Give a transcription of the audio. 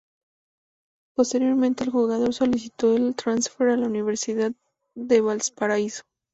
Posteriormente el jugador solicitó el transfer a la Universidad de Valparaiso.